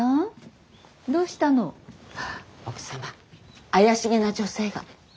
奥様怪しげな女性が。